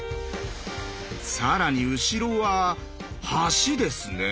更に後ろは橋ですね。